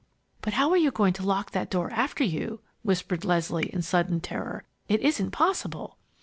"But how are you going to lock that door after you?" whispered Leslie, in sudden terror. "It isn't possible!"